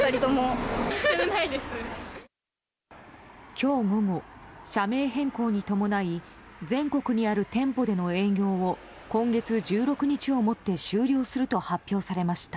今日午後、社名変更に伴い全国にある店舗での営業を今月１６日をもって終了すると発表されました。